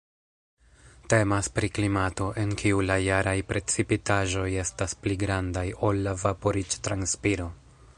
Temas pri klimato, en kiu la jaraj precipitaĵoj estas pli grandaj ol la vaporiĝ-transpiro.